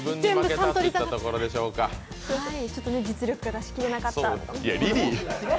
ちょっと実力が出しきれなかった。